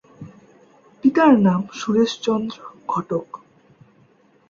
পিতার নাম সুরেশচন্দ্র ঘটক।